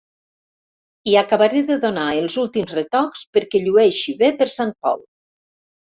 Hi acabaré de donar els últims retocs perquè llueixi bé per sant Pol.